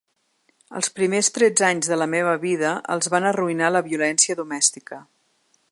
Els primers tretze anys de la meva vida els van arruïnar la violència domèstica.